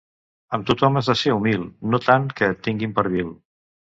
Amb tothom has de ser humil, no tant que et tinguin per vil.